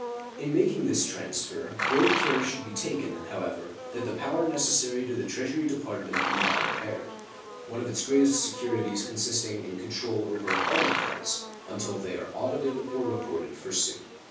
In making this transfer great care should be taken, however, that the power necessary to the Treasury Department be not impaired, one of its greatest securities consisting in control over all accounts until they are audited or reported for suit.